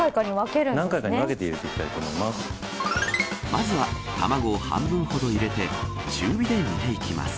まずは卵を半分ほど入れて中火で煮ていきます。